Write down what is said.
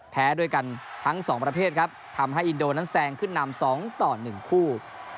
แพ้ด้วยกันทั้งสองประเภทครับทำให้อินโดนั้นแซงขึ้นนำ๒ต่อ๑คู่